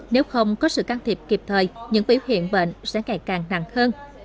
nếu không có sự can thiệp kịp thời những biểu hiện bệnh sẽ ngày càng nặng hơn